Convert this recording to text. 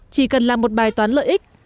chỉ cần làm một bài toán lợi ích